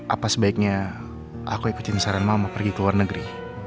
apa sebaiknya aku ikutin saran mama pergi ke luar negeri